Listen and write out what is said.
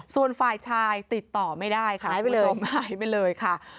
ส่วนฝ่ายชายติดต่อไม่ได้ค่ะหายไปเลยค่ะ